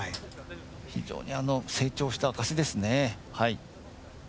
非常に成長した証しですね。